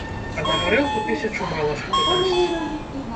А на гарэлку тысячу мала ж хто дасць.